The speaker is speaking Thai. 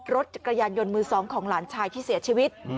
รถจักรยานยนต์มือสองของหลานชายที่เสียชีวิต